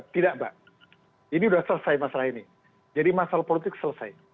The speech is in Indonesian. tidak mbak ini sudah selesai masalah ini jadi masalah politik selesai